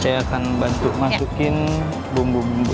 saya akan bantu masukin bumbu bumbu